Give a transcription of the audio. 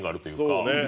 そうね。